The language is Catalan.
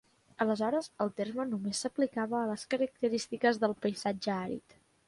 Aleshores, el terme només s'aplicava a les característiques del paisatge àrid.